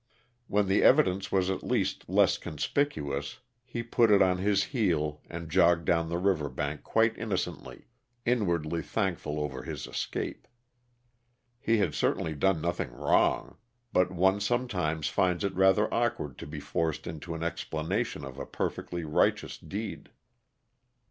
When the evidence was at least less conspicuous, he put it on his heel and jogged down the river bank quite innocently, inwardly thankful over his escape. He had certainly done nothing wrong; but one sometimes finds it rather awkward to be forced into an explanation of a perfectly righteous deed.